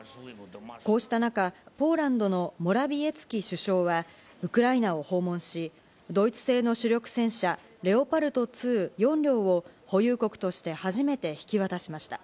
こうした中、ポーランドのモラビエツキ首相はウクライナを訪問し、ドイツ製の主力戦車レオパルト２、４両を保有国として初めて引き渡しました。